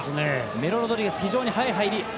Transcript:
メロロドリゲス非常に早い入り。